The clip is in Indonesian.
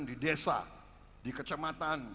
di desa di kecamatan